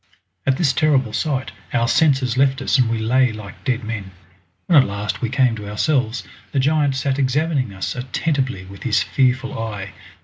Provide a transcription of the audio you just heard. At this terrible sight our senses left us and we lay like dead men. When at last we came to ourselves the giant sat examining us attentively with his fearful eye.